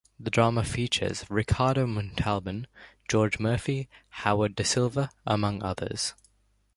The drama features Ricardo Montalban, George Murphy, Howard Da Silva, among others.